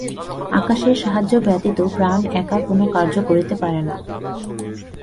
আকাশের সাহায্য ব্যতীত প্রাণ একা কোন কার্য করিতে পারে না।